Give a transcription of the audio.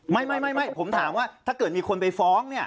ไม่ผมถามว่าถ้าเกิดมีคนไปฟ้องเนี่ย